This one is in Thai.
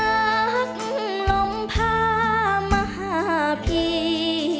ฝากรักลงพามาหาพี่